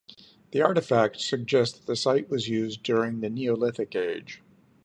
The artifacts suggest that the site was used during the Neolithic age.